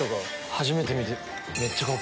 初めて見て。